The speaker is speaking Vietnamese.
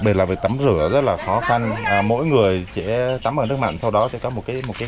biệt là việc tắm rửa rất là khó khăn mỗi người sẽ tắm bằng nước mặn sau đó sẽ có một cái một cái